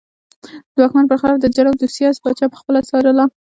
د واکمن پر خلاف د جرم دوسیه پاچا پخپله څارله.